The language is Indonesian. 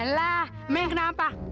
elah men kenapa